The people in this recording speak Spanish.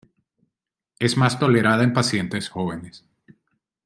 Es más tolerada en pacientes jóvenes.